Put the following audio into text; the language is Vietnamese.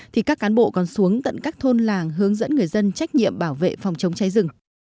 thì các cán bộ còn xuống tận các thôn làng hướng dẫn người dân trách nhiệm bảo vệ phòng chống cháy rừng